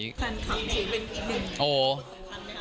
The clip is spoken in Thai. แฟนคลับที่เป็นความพิเศษ